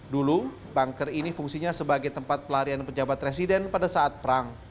dulu banker ini fungsinya sebagai tempat pelarian pejabat presiden pada saat perang